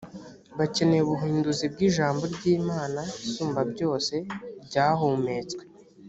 bakeneye ubuhinduzi bw ijambo ry imana isumbabyose ryahumetswe